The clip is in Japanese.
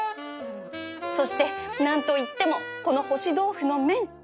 そして何といってもこの干し豆腐の麺